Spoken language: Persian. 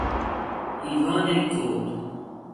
ایوان گود